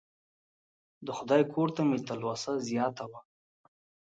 د خدای کور ته مې تلوسه زیاته وه.